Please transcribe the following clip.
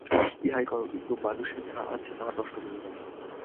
ইহাই কর, কিন্তু মানুষের যাহা আছে, তাহা নষ্ট করিও না।